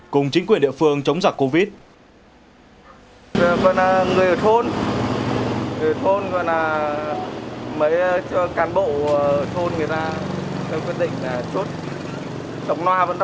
cùng chính quyền địa phương chống giặc covid